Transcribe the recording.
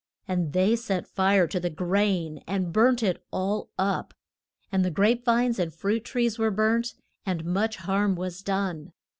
And they set fire to the grain, and burnt it all up. And the grape vines and fruit trees were burnt, and much harm was done.